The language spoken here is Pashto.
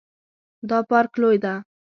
دا پارک لوی ده